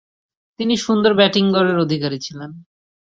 তিনি সুন্দর ব্যাটিং গড়ের অধিকারী ছিলেন।